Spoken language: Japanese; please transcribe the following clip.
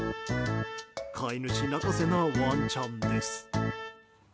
飼い主泣かせなワンちゃんです。